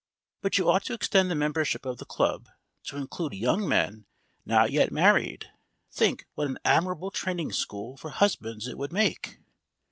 But you ought to extend the membership of the club to include young men not yet married. Think what an admirable training school for husbands it would make!